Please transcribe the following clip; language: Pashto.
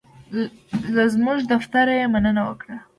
له زمونږ دفتر یې مننه وکړه.